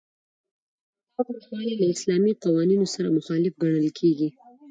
تاوتریخوالی له اسلامي قوانینو سره مخالف ګڼل کیږي.